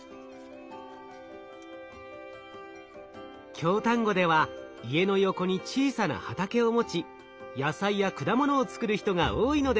京丹後では家の横に小さな畑を持ち野菜や果物を作る人が多いのです。